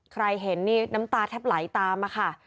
ใครเห็นนี่น้ำตาแทบไหลตามมาค่ะ